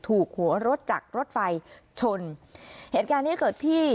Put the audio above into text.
ถูกหัวรถจากรถไฟชนเหตุการณ์เนี้ยเกิดที่